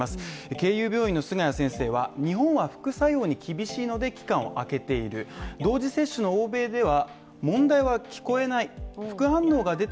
けいゆう病院の菅谷先生は、日本は副作用に厳しいので期間を空けている同時接種の欧米では、